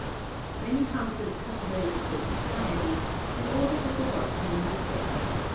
] Many houses cut away the slip entirely, in order that the work may look better.